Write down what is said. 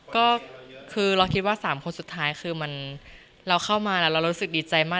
ก็คือเราคิดว่า๓คนสุดท้ายคือเราเข้ามาแล้วเรารู้สึกดีใจมาก